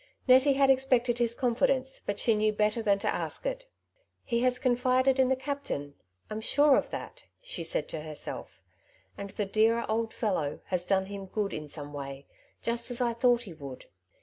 Nettie had expected his confidence, but she knew better than to ask it. "He has confided in the captain, I^m sure of that," she said to herself ; "and the dear old fellow has done him good in some way, just as I thought he would.